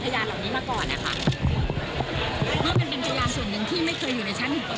ทำอย่างเต็มที่ค่ะก็ทำอย่างเต็มที่ค่ะก็เดี๋ยวคงอ่า